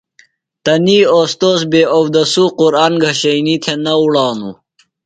تنی اوستوذ بے اوداسُو قُرآن گھشنیۡ تھےۡ نہ اُڑانُوۡ۔